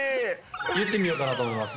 言ってみようかなと思います。